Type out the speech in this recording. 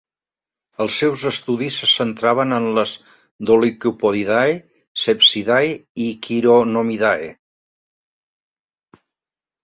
Els seus estudis se centraven en les Dolichopodidae, Sepsidae i Chironomidae.